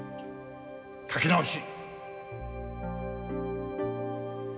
描き直し！